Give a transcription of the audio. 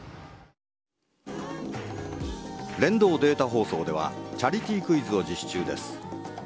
連動データ放送ではチャリティークイズを実施中です。